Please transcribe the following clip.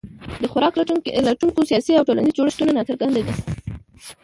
د خوراک لټونکو سیاسي او ټولنیز جوړښتونه ناڅرګند دي.